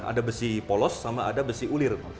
ada besi polos sama ada besi ulir